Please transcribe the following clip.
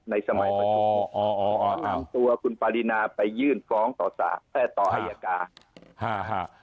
ในสมัยประชุมตัวคุณปรินาไปยื่นฟ้องต่ออาหยากา